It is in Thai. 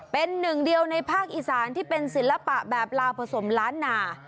เป็นหนึ่งเดียวในภาคอีสานที่เป็นศิลปะแบบลาวผสมล้านหนา